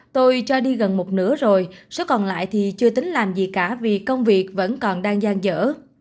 tôi cho đi gần một nửa rồi số còn lại thì chưa tính làm gì cả vì công việc vẫn còn đang gian dở